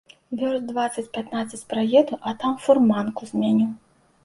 Вёрст дваццаць, пятнаццаць праеду, а там фурманку змяню.